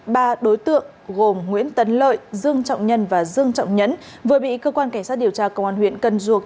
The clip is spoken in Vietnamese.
ba đối tượng gồm nguyễn tấn lợi dương trọng nhân và dương trọng nhấn vừa bị cơ quan cảnh sát điều tra công an huyện cần duộc